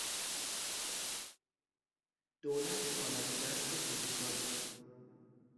دولت آلت دست کلیسا بود.